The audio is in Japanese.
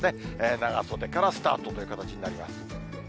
長袖からスタートという形になります。